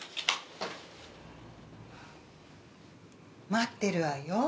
待ってるわよ。